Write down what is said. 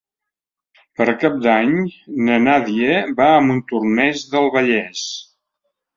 Per Cap d'Any na Nàdia va a Montornès del Vallès.